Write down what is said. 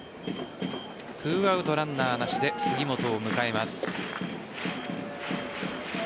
２アウトランナーなしで杉本を迎えます。